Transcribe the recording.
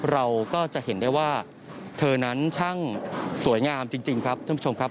เราก็จะเห็นได้ว่าเธอนั้นช่างสวยงามจริงครับท่านผู้ชมครับ